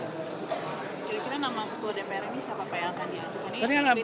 ternyata ini siapa yang akan diaturkan ini